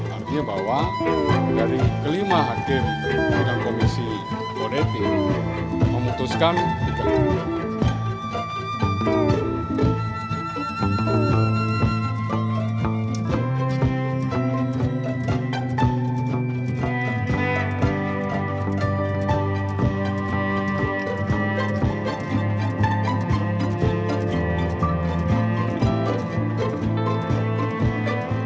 artinya bahwa dari kelima hakim sidang komisi kodepi memutuskan keputusan